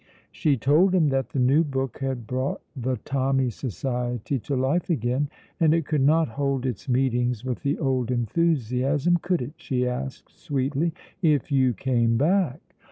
She told him that the new book had brought the Tommy Society to life again. "And it could not hold its meetings with the old enthusiasm, could it," she asked sweetly, "if you came back?